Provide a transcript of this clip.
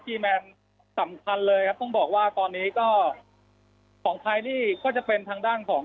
แมนสำคัญเลยครับต้องบอกว่าตอนนี้ก็ของไทยนี่ก็จะเป็นทางด้านของ